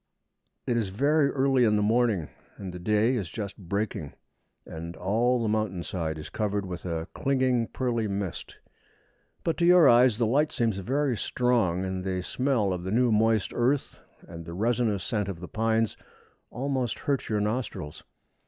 It is very early in the morning, and the day is just breaking, and all the mountain side is covered with a clinging pearly mist; but to your eyes the light seems very strong, and the smell of the new moist earth and the resinous scent of the pines almost hurt your nostrils.